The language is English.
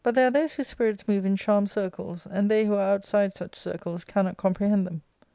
there are those whose spirits move in charmed circles^ and they who are outside such circles cannot comprehend them.